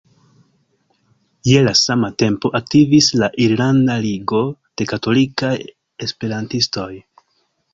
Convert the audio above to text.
Je la sama tempo aktivis la "Irlanda Ligo de Katolikaj Esperantistoj".